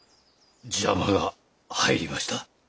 邪魔が入りました。